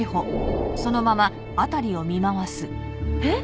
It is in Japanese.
えっ？